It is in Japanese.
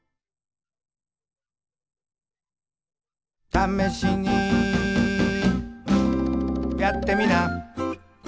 「ためしにやってみな」